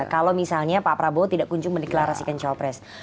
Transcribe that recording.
kalau misalnya pak prabowo tidak kunjung meneklarasikan capres